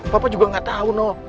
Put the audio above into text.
papa juga gak tahu noh